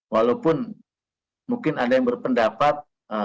walaupun mungkin ada yang berpendapat